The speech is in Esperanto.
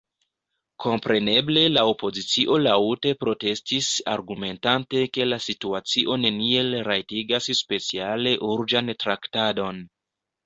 Kompreneble la opozicio laŭte protestis, argumentante, ke la situacio neniel rajtigas speciale urĝan traktadon.